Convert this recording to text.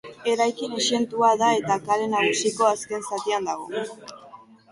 Eraikin exentua da eta Kale Nagusiko azken zatian dago.